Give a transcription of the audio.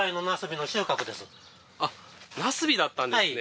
あっなすびだったんですね。